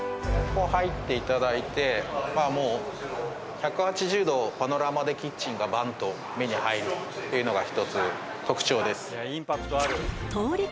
まあもう１８０度パノラマでキッチンがバンと目に入るというのが１つ特徴です